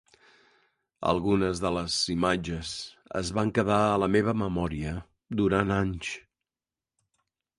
Algunes de les imatges es van quedar a la meva memòria durant anys.